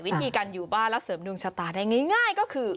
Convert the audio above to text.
วิธีการอยู่บ้านและเสริมดวงชะตาได้ง่ายก็คือ